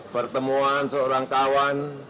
pertemuan seorang kawan